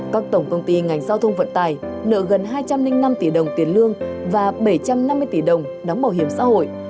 các tổng công ty ngành giao thông vận tài nợ gần hai trăm linh năm tỷ đồng tiền lương và bảy trăm năm mươi tỷ đồng đóng bảo hiểm xã hội